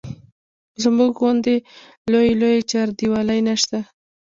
زموږ غوندې لویې لویې چاردیوالۍ نه شته.